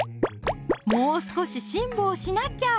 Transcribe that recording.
もう少し辛抱しなきゃ！